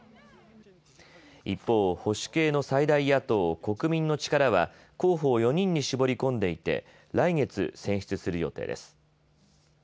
一方、保守系の最大野党国民の力は候補を４人に絞り込んでいて来月、選出する予定です。